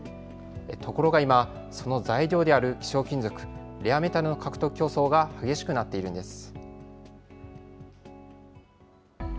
ところが今、その材料である希少金属、レアメタルの獲得競争が激しくなっているんです。